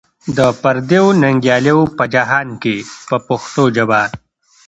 د پردیو ننګیالیو په جهان کې په پښتو ژبه.